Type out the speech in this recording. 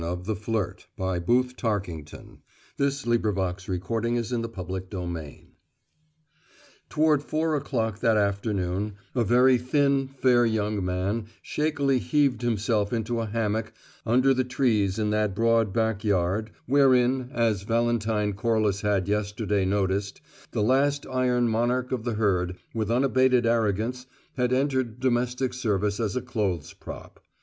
"Isn't any man in great danger," he said, "if he falls in love with you?" "Well?" CHAPTER SEVEN Toward four o'clock that afternoon, a very thin, fair young man shakily heaved himself into a hammock under the trees in that broad backyard wherein, as Valentine Corliss had yesterday noticed, the last iron monarch of the herd, with unabated arrogance, had entered domestic service as a clothes prop.